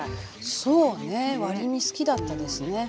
そうね割に好きだったですね。